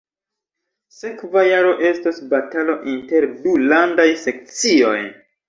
Sekva jaro estos batalo inter du landaj sekcioj